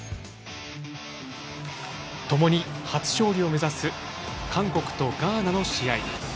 ともに初勝利を目指す韓国とガーナの試合。